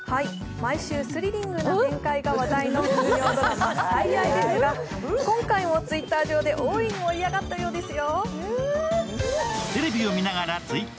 毎週スリリングが展開が話題の金曜ドラマ「最愛」ですが、今回もＴｗｉｔｔｅｒ上で大いに盛り上がったようですよ。